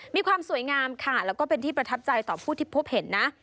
มีความสวยงามค่ะแล้วก็เป็นที่ประทับใจต่อผู้ที่พบเห็นนะ